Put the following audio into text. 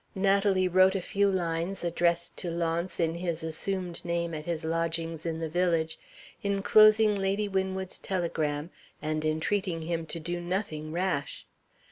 Natalie wrote a few lines (addressed to Launce in his assumed name at his lodgings in the village) inclosing Lady Winwood's telegram, and entreating him to do nothing rash.